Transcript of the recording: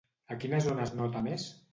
A quina zona es nota més?